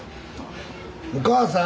お母さん！